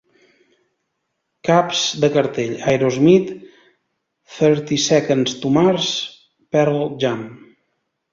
Caps de cartell: Aerosmith, Thirty Seconds to Mars, Pearl Jam.